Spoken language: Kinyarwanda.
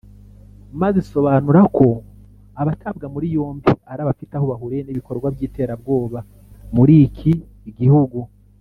maze isobanura ko abatabwa muri yombi ari abafite aho bahuriye n’ibikorwa by’iterabwoba muri iki gihugu